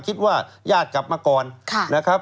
คิดว่าญาติกลับมาก่อน